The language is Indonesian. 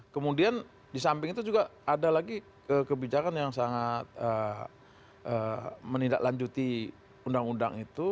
kemudian di samping itu juga ada lagi kebijakan yang sangat menindaklanjuti undang undang itu